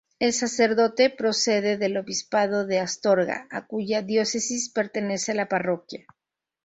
El sacerdote procede del Obispado de Astorga, a cuya diócesis pertenece la parroquia.